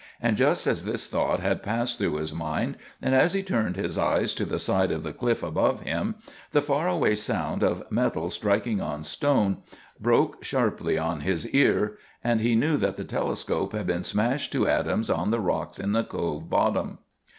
And just as this thought had passed through his mind, and as he turned his eyes to the side of the cliff above him, the far away sound of metal striking on stone broke sharply on his ear, and he knew that the telescope had been smashed to atoms on the rocks in the Cove bottom.